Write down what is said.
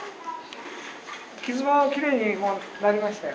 傷もきれいになりましたよ。